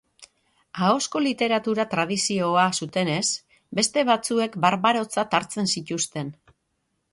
Ahozko literatura tradizioa zutenez, beste batzuek barbarotzat hartzen zituzten.